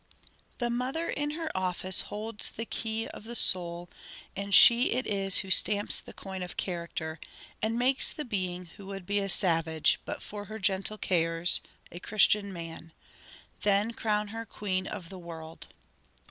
"The mother, in her office holds the key Of the soul; and she it is who stamps the coin Of character, and makes the being who would be a savage, But for her gentle cares, a Christian man. Then crown her queen of the world."